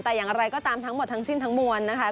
แต่อย่างไรก็ตามทั้งหมดทั้งสิ้นทั้งมวลนะคะ